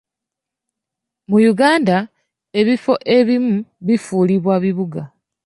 Mu Uganda, ebifo ebimu bifuulibwa bibuga.